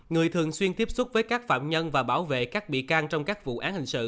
người thường xuyên tiếp xúc với các phạm nhân và bảo vệ các bị can trong các vụ án hình sự